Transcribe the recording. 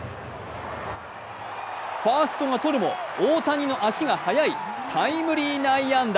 ファーストが取るも大谷の足が速い、タイムリー内野安打。